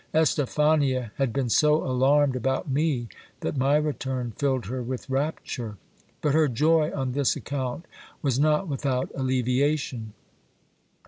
Estephania had been so alarmed about me, that my return filled her with rapture. But her joy on this account was not without alleviation.